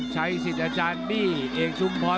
ชัยสิทธิ์อาจารย์บี้เอกชุมพร